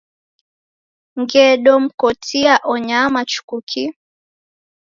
Ngedomkotia onyama chuku kii.